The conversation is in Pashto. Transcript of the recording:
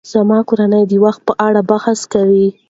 زما کورنۍ د وخت په اړه بحث کوي.